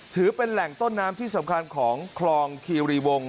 ถือเป็นแหล่งต้นน้ำที่สำคัญของคลองคีรีวง